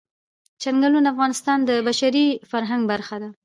چنګلونه د افغانستان د بشري فرهنګ برخه ده.